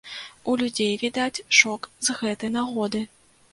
У людзей, відаць, шок з гэтай нагоды.